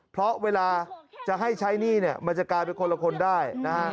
เพราะเวลาจะให้ใช้หนี้เนี่ยมันจะกลายเป็นคนละคนได้นะฮะ